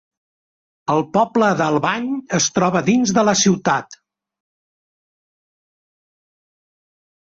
El poble d'Albany es troba dins de la ciutat.